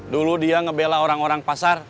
dulu dia ngebela orang orang pasar